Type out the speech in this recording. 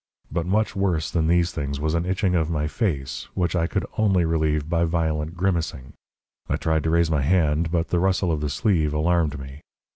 But much worse than these things was an itching of my face, which I could only relieve by violent grimacing I tried to raise my hand, but the rustle of the sleeve alarmed me.